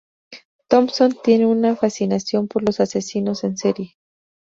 Thomson tiene una fascinación por los asesinos en serie.